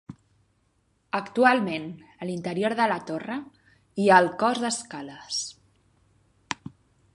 Actualment a l'interior de la torre hi ha el cos d'escales.